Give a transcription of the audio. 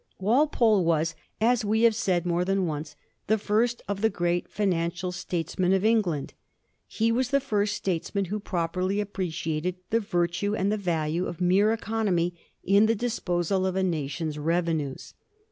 Walpole was, as we have said more than once, the first of the great financier statesmen of England. He was the first statesman who properly appreciated the virtue and the value of mere economy in the disposal of a nation's revenues.